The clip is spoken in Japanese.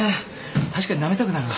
確かになめたくなるわ。